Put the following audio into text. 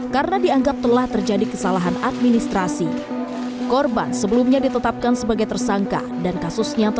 yang dilakukan oleh kepolisian tidak sesuai dengan peraturan yang berlaku